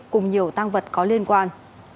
cùng nhiều tăng vật có liên quan